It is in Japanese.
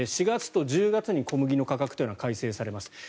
４月と１０月に小麦の価格というのは改正されます。